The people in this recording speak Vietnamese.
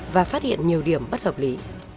và phát hiện nhiều điểm bất hợp lý